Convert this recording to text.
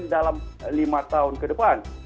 dalam lima tahun ke depan